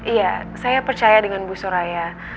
iya saya percaya dengan bu suraya